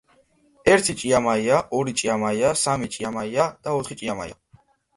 ერთი ჭიამაია, ორი ჭიამაია, სამი ჭიამაია და ოთხი ჭიამაია.